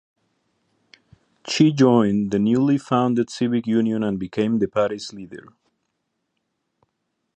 She joined the newly founded Civic Union and became the party's leader.